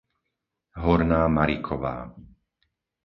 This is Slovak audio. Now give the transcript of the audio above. Horná Mariková